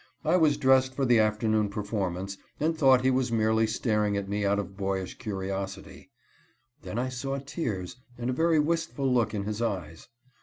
I was dressed for the afternoon performance, and thought he was merely staring at me out of boyish curiosity. Then I saw tears and a very wistful look in his eyes.